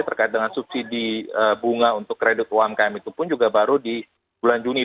terkait dengan subsidi bunga untuk kredit umkm itu pun juga baru di bulan juni